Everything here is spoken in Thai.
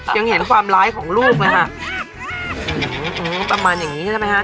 ยังเห็นความร้ายของลูกไหมฮะอือประมาณอย่างนี้ได้ไหมฮะได้ไหมฮะ